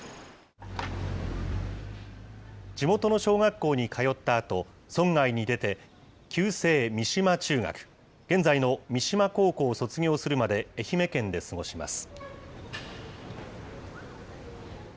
地元の小学校に通ったあと、村外に出て、旧制三島中学、現在の三島高校を卒業するまで愛媛県で過ごします。